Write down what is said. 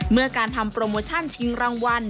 เมื่อการทำโปรโมชั่นชิงรางวัล